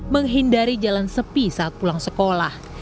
menghindari jalan sepi saat pulang sekolah